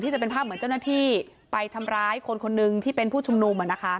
จะเป็นภาพเหมือนเจ้าหน้าที่ไปทำร้ายคนคนหนึ่งที่เป็นผู้ชุมนุม